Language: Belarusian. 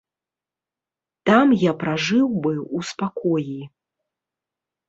Там я пражыў бы ў спакоі.